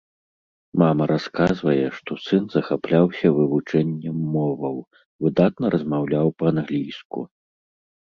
Мама расказвае, што сын захапляўся вывучэннем моваў, выдатна размаўляў па-англійску.